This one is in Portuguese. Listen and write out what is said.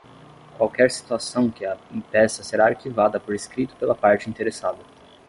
Qualquer situação que a impeça será arquivada por escrito pela parte interessada.